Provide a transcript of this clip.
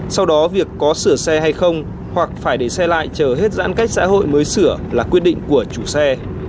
sau đó việc có sửa xe hay không hoặc phải để xe lại chờ hết giãn cách xã hội mới sửa là quyết định của chủ xe